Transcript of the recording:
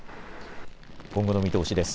今後の見通しです。